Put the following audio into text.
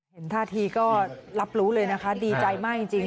เห็นท่าทีก็รับรู้เลยนะคะดีใจมากจริง